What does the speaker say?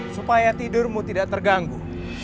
supaya tidurmu tidak terganggu